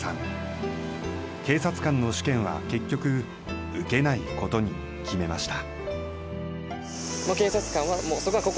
警察官の試験は結局受けないことに決めました。